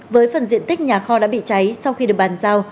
với phần diện tích nhà kho đã bị cháy sau khi được bàn giao